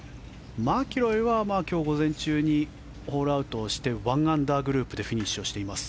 マキロイは今日午前中にホールアウトをして１アンダーグループでフィニッシュをしています。